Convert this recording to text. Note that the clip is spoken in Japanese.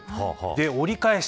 折り返した。